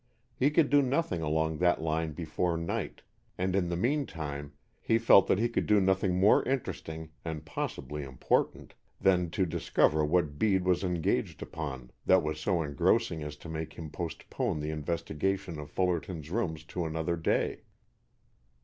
He could do nothing along that line before night, and in the meantime he felt that he could do nothing more interesting (and possibly important) than to discover what Bede was engaged upon that was so engrossing as to make him postpone the investigation of Fullerton's rooms to another day.